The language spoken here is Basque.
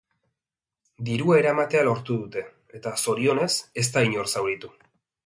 Dirua eramatea lortu dute, eta, zorionez, ez da inor zauritu.